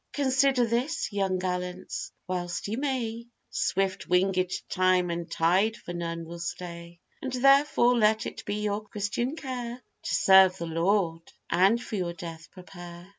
Consider this, young gallants, whilst you may, Swift wingèd time and tide for none will stay; And therefore let it be your christian care, To serve the Lord, and for your death prepare.